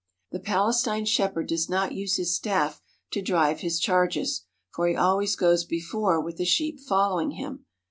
. The Palestine shepherd does not use his staff to drive his charges, for he always goes before with the sheep fol lowing him.